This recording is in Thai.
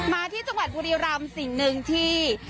มาที่จังหวัดบุรีรำสิ่งหนึ่งที่